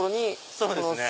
そうですね。